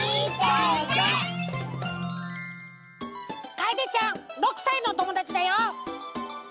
かえでちゃん６さいのおともだちだよ！